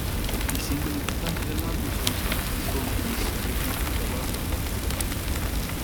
I singoli portanti dell'album sono stati "Soul kiss" e "Fifty dollar love affair".